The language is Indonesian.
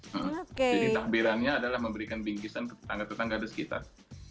jadi takbirannya adalah memberikan bingkisan ke tetangga tetangga di sekitar